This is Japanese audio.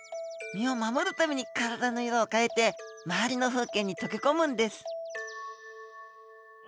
身を守るために体の色を変えて周りの風景に溶け込むんです。